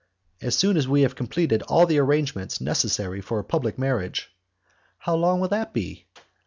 "As soon as we have completed all the arrangements necessary for a public marriage." "How long will that be?"